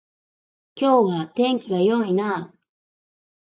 今日は天気が良いなあ